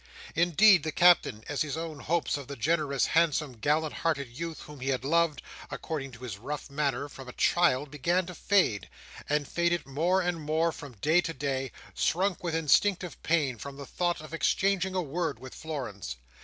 Indeed the Captain, as his own hopes of the generous, handsome, gallant hearted youth, whom he had loved, according to his rough manner, from a child, began to fade, and faded more and more from day to day, shrunk with instinctive pain from the thought of exchanging a word with Florence.